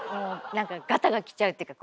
ガタがきちゃうっていうか